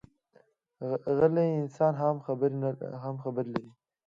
غلی انسان هم خبرې لري